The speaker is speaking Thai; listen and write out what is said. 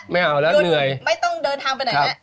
ไม่เอาแล้วไม่ต้องเดินทางไปไหนแม่